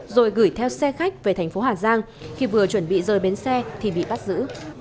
rồi gửi theo xe khách về thành phố hà giang khi vừa chuẩn bị rời bến xe thì bị bắt giữ